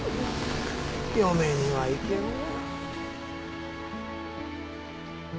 嫁には行けんわ。